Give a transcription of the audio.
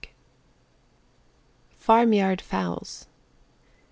] FARM YARD FOWLS.